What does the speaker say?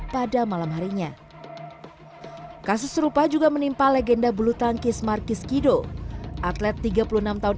pada malam harinya kasus serupa juga menimpa legenda bulu tangkis markis kido atlet tiga puluh enam tahun